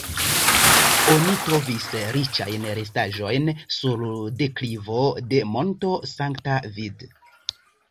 Oni trovis riĉajn restaĵojn sur deklivo de monto Sankta Vid.